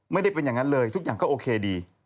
ไม่ได้เป็นอย่างนั้นเลยทุกอย่างก็โอเคดี